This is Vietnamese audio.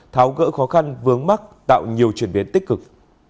tháo gỡ khó khăn vướng mắt tạo nhiều chuyển biến tích cực